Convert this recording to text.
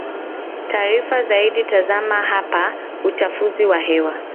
taarifa zaidi tazama hapaUchafuzi wa hewa